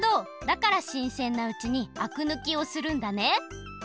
だからしんせんなうちにあくぬきをするんだね。